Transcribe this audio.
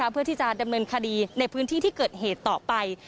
เพื่อที่จะดำเนินคดีในพื้นที่ที่เกิดเหตุต่อไป